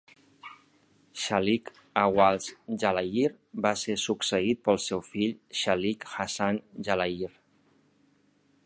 Shaikh Awais Jalayir va ser succeït pel seu fill Shaikh Hasan Jalayir.